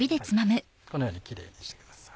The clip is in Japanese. このようにキレイにしてください。